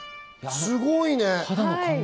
すごいね。